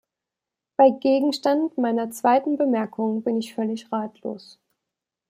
Beim Gegenstand meiner zweiten Bemerkung bin ich völlig ratlos.